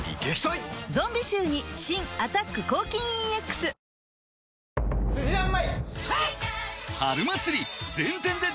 ゾンビ臭に新「アタック抗菌ＥＸ」ありがとね。